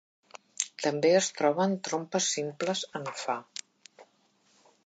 També es troben trompes simples en Fa.